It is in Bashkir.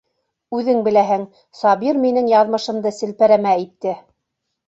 Үҙең беләһең, Сабир минең яҙмышымды селпәрәмә итте.